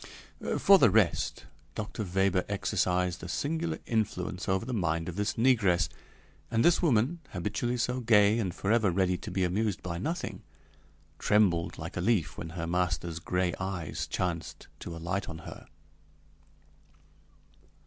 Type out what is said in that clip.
For the rest, Dr. Weber exercised a singular influence over the mind of this negress, and this woman, habitually so gay and forever ready to be amused by nothing, trembled like a leaf when her master's gray eyes chanced to alight on her.